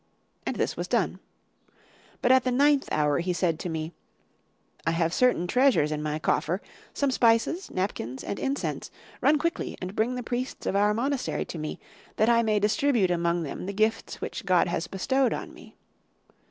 And this was done. But at the ninth hour he said to me, 'I have certain treasures in my coffer, some spices, napkins and incense; run quickly and bring the priests of our monastery to me, that I may distribute among them the gifts which God has bestowed on me.